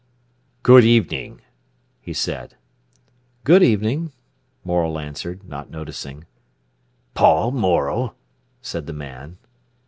"Good evening!" he said. "Good evening!" Morel answered, not noticing. "Paul Morel?" said the man.